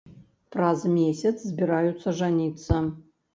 Праз месяц збіраюся жаніцца.